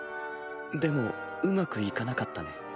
でもうまくいかなかったね。